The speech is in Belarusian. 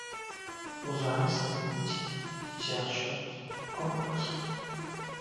У залі стаіць дзіцячы спорткомплекс.